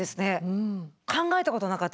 考えたことなかったです。